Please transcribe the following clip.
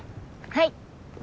はい。